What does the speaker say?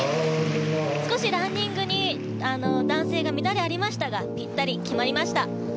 少しランディング男性に乱れがありましたがぴったり決まりました。